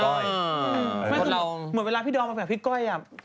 เหมือนเวลาพี่ดอมกับพี่ก้อย